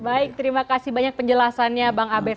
baik terima kasih banyak penjelasannya bang abed